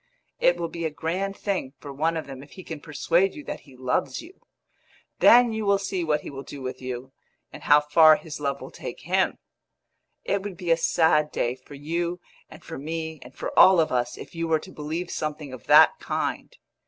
it will be a grand thing for one of them if he can persuade you that he loves you. Then you will see what he will do with you, and how far his love will take him! It would be a sad day for you and for me and for all of us if you were to believe something of that kind.